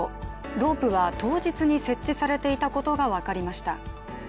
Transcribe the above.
ロープは当日に設置されていたことが分かりました。